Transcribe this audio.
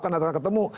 karena tidak ketemu